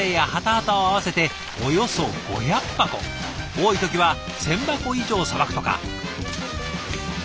多い時は１，０００箱以上さばくとか。